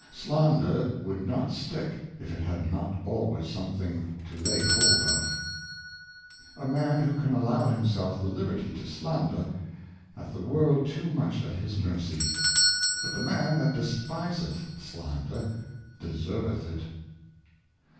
SLANDER would not stick, if it had not always something Slander. to lay hold of. A Man who can allow himself the Liberty to slander, hath the World too much at his Mercy. But the Man that despiseth Slander deserveth it.